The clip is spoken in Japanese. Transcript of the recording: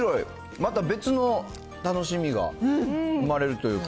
また別の楽しみが生まれるというか。